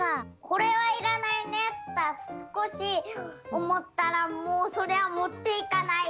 「これはいらないね」ってすこしおもったらもうそれはもっていかない。